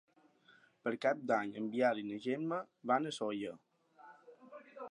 Per Cap d'Any en Biel i na Gemma van a Sóller.